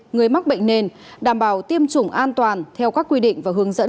người mắc bệnh nền đảm bảo tiêm chủng an toàn theo các quy định và hướng dẫn